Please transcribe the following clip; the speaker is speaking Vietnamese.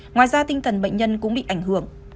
ngoài ra tinh thần bệnh nhân cũng bị ảnh hưởng